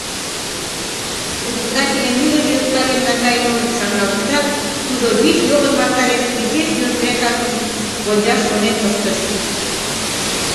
Председательым ӱлыкӧ йоктарен наҥгайымым шарналтышат, тудо вӱд йогын ваштареш изиш йожекракын вончаш шонен пыштыш.